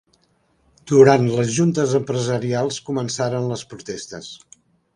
Durant les juntes empresarials començaren les protestes.